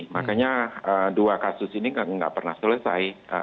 makanya dua kasus ini tidak pernah selesai